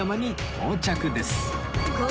到着ですか。